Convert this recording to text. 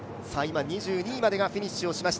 ２２位までがフィニッシュをしました。